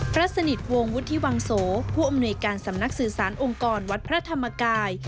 พระสนิทวงศ์วุฒิวังโสผู้อำนวยการสำนักสื่อสารองค์กรวัดพระธรรมกาย